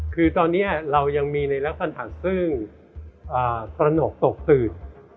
คือตอนนี้เรายังมีในลักษณะซึ่งตระหนกตกตื่น